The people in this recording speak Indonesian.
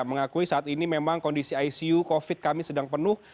mengakui saat ini memang kondisi icu covid kami sedang penuh